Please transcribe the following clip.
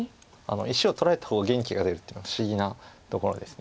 石を取られた方が元気が出るっていうのは不思議なところですね。